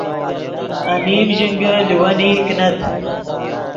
انیم ژینگے لیوینئی کینت